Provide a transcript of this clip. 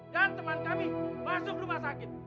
dan teman kami masuk rumah sakit